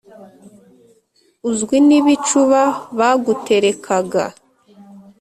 Uzwi n'ibicuba baguterekaga.